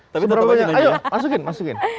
seberapa banyak ayo masukin masukin